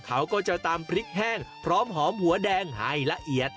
เขาก็จะตำพริกแห้งพร้อมหอมหัวแดงให้ละเอียด